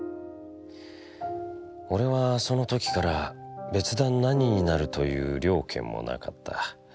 おれはその時から別段何になるという了見もなかった。